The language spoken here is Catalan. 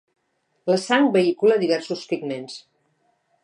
La sang vehicula diversos pigments.